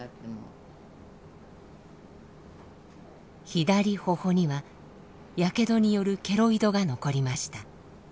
左頬にはやけどによるケロイドが残りました。